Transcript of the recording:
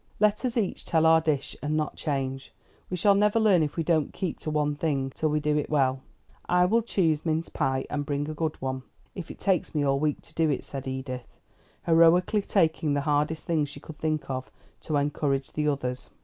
"Let us each tell our dish, and not change. We shall never learn if we don't keep to one thing till we do it well. I will choose mince pie, and bring a good one, if it takes me all the week to do it," said Edith, heroically taking the hardest thing she could think of, to encourage the others.